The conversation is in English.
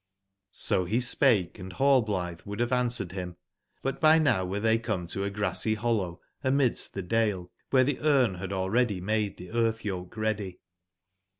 O he spake,& Rallblithe would have answer ed him, bu t by now were they come to a grassy hollow amidst the dale, where the Grn e had aU ready made the earth/yoke ready.